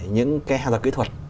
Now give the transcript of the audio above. những cái hàng học kỹ thuật